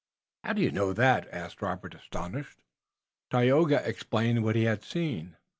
"How do you know that?" asked Robert, astonished. Tayoga explained what he had seen.